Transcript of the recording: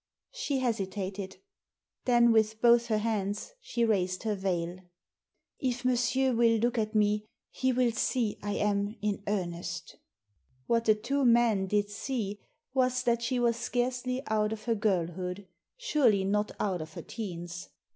She hesitated. Then with both her hands she raised her veil. "If monsieur will look at me he will see I am in earnest" What the two men did see was that she was scarcely out of her girlhood — surely not out of her teens.